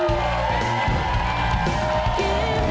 โอเค